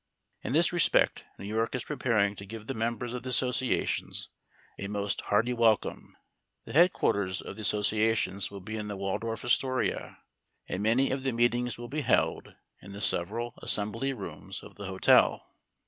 In this respect New York is preparing to give the members of the associations a most hearty welcome. The headquarters of the associations will be in the Waldorf Astoria, and many of the meetings will be held in the several assembly rooms of the hotel.